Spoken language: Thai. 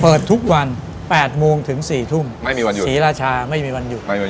เปิดทุกวัน๘โมงถึง๔ทุ่มศรีราชาไม่มีวันหยุด